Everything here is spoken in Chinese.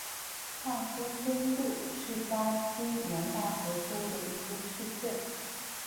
帕苏丰杜是巴西南大河州的一个市镇。